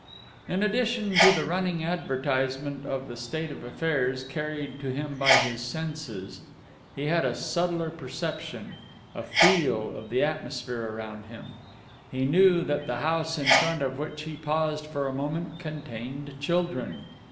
In addition to the running advertisement of the state of affairs carried to him by his senses, he had a subtler perception, a feel, of the atmosphere around him. He knew that the house in front of which he paused for a moment, contained children.